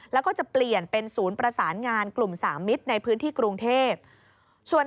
แล้วก็จะเปลี่ยนเป็นศูนย์ประสานงานกลุ่มสามมิตรในพื้นที่กรุงเทพ